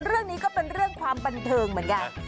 เรื่องนี้ก็เป็นเรื่องความบันเทิงเหมือนกัน